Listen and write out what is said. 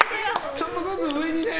ちょっとずつ上に。